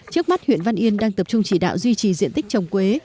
trước mắt huyện văn yên đang tập trung chỉ đạo duy trì diện tích trồng quế